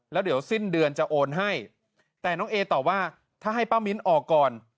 แล้วเดี๋ยวสิ้นเดือนจะโอนให้แต่น้องเอตอบว่าถ้าให้ป้ามิ้นออกก่อน